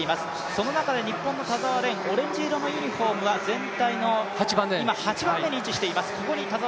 その中で日本の田澤廉、オレンジ色のユニフォームは全体の８番目に位置しています。